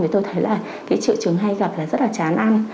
thì tôi thấy là cái triệu chứng hay gặp là rất là chán ăn